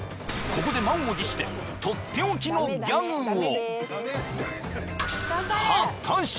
［ここで満を持してとっておきのギャグを］